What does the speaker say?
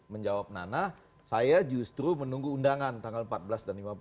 menjawab nana saya justru menunggu undangan tanggal empat belas dan lima belas